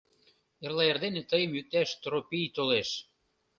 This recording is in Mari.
Эрла эрдене тыйым йӱкташ Тропий толеш.